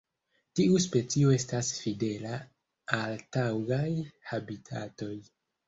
Tiu specio estas fidela al taŭgaj habitatoj.